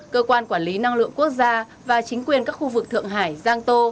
cơ quan quản lý năng lượng quốc gia và chính quyền các khu vực thượng hải giang tô